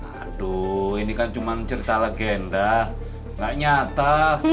aduh ini kan cuma cerita legenda nggak nyata